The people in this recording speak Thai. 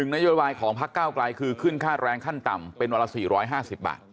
นโยบายของพักเก้าไกลคือขึ้นค่าแรงขั้นต่ำเป็นวันละ๔๕๐บาท